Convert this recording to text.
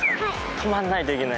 止まんないといけない。